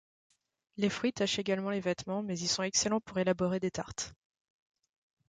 Les fruits tachent également les vêtements mais ils sont excellents pour élaborer des tartes.